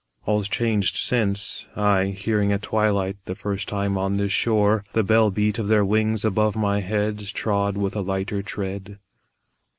All's changed since I, hearing at twilight, The first time on this shore, The bell beat of their wings above my head, Trod with a lighter tread.